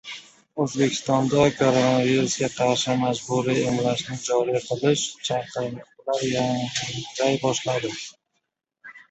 O‘zbekistonda koronavirusga qarshi majburiy emlashni joriy qilishga chaqiriqlar yangray boshladi